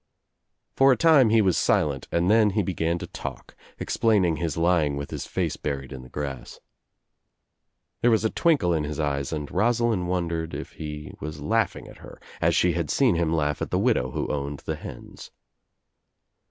For a time he was silent and then he began to talk, explaining his lying with his face buried In the grass. There was a twinkle in his eyes and Rosalind wondered if he was laughing at her as she had seen him laugh at the widow who owned the hens.